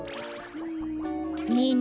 ねえね